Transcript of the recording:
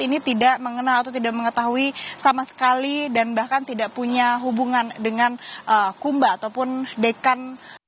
ini tidak mengenal atau tidak mengetahui sama sekali dan bahkan tidak punya hubungan dengan kumba ataupun dekan